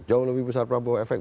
jauh lebih besar prabowo efek